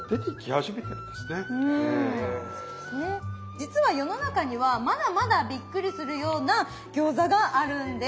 実は世の中にはまだまだびっくりするような餃子があるんです。